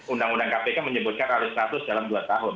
undang undang kpk menyebutkan alih status dalam dua tahun